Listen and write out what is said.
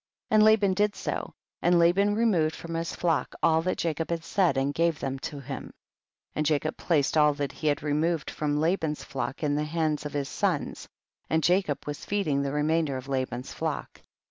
27. And Laban did so, and Laban removed from his flock all that Jacob had said and gave them to him. 28. And Jacob placed all that he had removed from Laban's flock in the hands of his sons, and Jacob was feeding the remainder of La ban's flock.